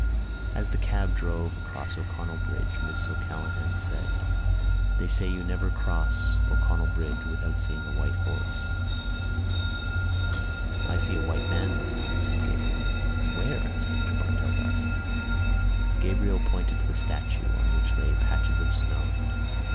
As the cab drove across O'Connell Bridge Miss O'Callaghan said: "They say you never cross O'Connell Bridge without seeing a white horse." "I see a white man this time," said Gabriel. "Where?" asked Mr Bartell D'Arcy. Gabriel pointed to the statue, on which lay patches of snow.